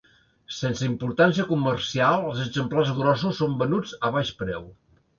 Sense importància comercial, els exemplars grossos són venuts a baix preu.